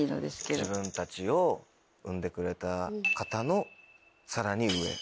自分たちを生んでくれた方のさらに上。